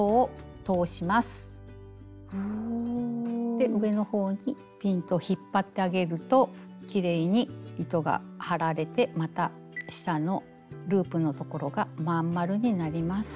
で上の方にピンと引っ張ってあげるときれいに糸が張られてまた下のループのところが真ん丸になります。